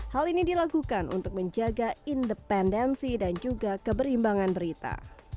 hal ini dilakukan untuk menjaga independensi dan juga keberimbangan berita